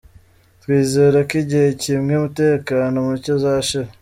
Twizera ko igihe kimwe umutekano muke uzashira.